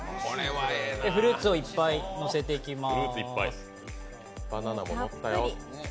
フルーツをいっぱいのせていきまーす。